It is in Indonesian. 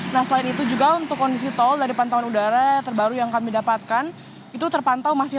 nah selain itu juga untuk kondisi tol dari pantauan udara terbaru yang kami dapatkan itu terpantau masih